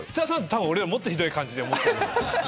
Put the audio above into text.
たぶん俺よりもっとひどい感じで思ってる。